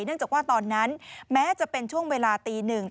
เนื่องจากว่าตอนนั้นแม้จะเป็นช่วงเวลาตีหนึ่ง